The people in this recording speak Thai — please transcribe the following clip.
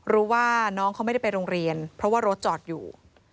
รู้ว่าน้องเขาไม่ได้ไปโรงเรียนเพราะว่ารถจอดอยู่